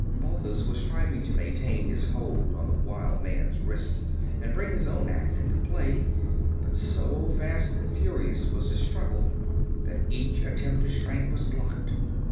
Balthus was striving to maintain his hold on the wild man's wrist and bring his own ax into play, but so fast and furious was the struggle that each attempt to strike was blocked.